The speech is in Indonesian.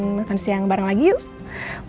makan siang bareng lagi yuk